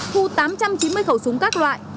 thu tám trăm chín mươi khẩu súng các loại